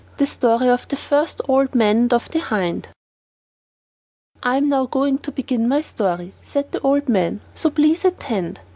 The Story of the First Old Man and of the Hind I am now going to begin my story (said the old man), so please attend.